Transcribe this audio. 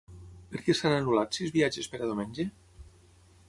Per què s'han anul·lat sis viatges per a diumenge?